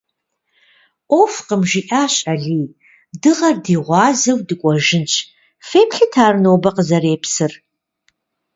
«Ӏуэхукъым,— жиӀащ Алий,— дыгъэр ди гъуазэу дыкӀуэжынщ; феплъыт ар нобэ къызэрепсыр».